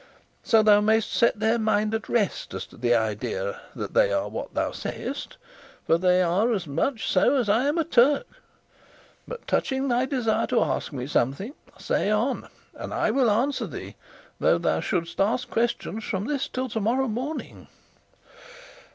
So thou mayest set thy mind at rest as to the idea that they are what thou sayest, for they are as much so as I am a Turk. But touching thy desire to ask me something, say on, and I will answer thee, though thou shouldst ask questions from this till to morrow morning."